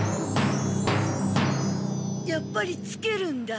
やっぱりつけるんだ。